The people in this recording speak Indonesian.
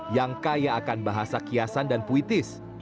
yang kaya akan bahasa kiasan dan puitis